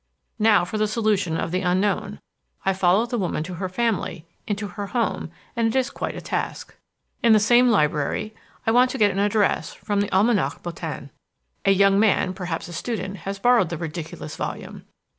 Now for the solution of the unknown. I follow the woman to her family, into her home, and it is quite a task. "In the same library. I want to get an address from the Almanach Bottin. A young man, perhaps a student, has borrowed the ridiculous volume.